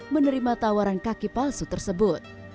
menerima tawaran kaki palsu tersebut